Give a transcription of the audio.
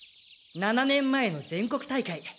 ７年前の全国大会。